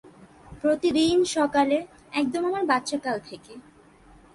প্রতিদিন সকালে, একদম আমার বাচ্চাকাল থেকে।